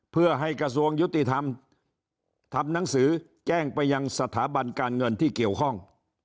เพื่อให้กระทรวงยุติธรรมทำหนังสือแจ้งไปยังสถาบันการเงินที่เกี่ยวข้อง